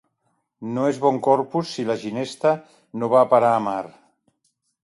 No és bon Corpus si la ginesta no va a parar a mar.